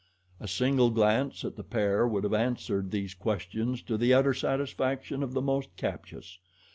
A single glance at the pair would have answered these questions to the utter satisfaction of the most captious.